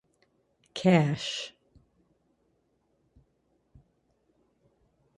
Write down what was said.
Cash.